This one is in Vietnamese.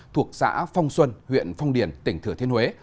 thuộc xã phong xuân huyện phong điền tỉnh thừa thiên huế